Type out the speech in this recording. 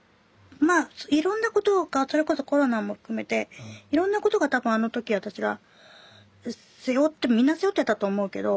まあいろんなことがそれこそコロナも含めていろんなことが多分あの時私が背負ってみんな背負ってたと思うけど。